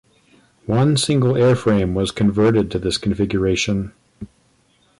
One single airframe was converted to this configuration.